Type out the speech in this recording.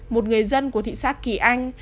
một người dân của thị xã kỳ anh